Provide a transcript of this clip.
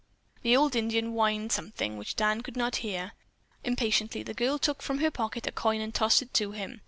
The old Indian whined something, which Dan could not hear. Impatiently the girl took from her pocket a coin and tossed it to him.